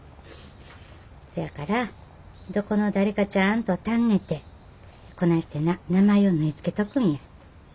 そやからどこの誰かちゃんと尋ねてこないしてな名前を縫い付けとくんや。